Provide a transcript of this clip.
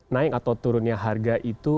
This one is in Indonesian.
naik atau turunnya harga itu